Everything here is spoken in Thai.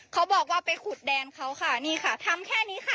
เขาบอกว่าไปขุดแดนเขาค่ะนี่ค่ะทำแค่นี้ค่ะ